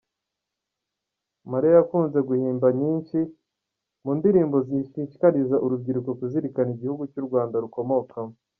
Maria yakunze guhimba nyinshi mu ndirimbo zishishikariza urubyiruko kuzirikana igihugu cy’u Rwanda rukomokamo.